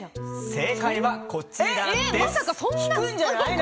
正解はこちらです。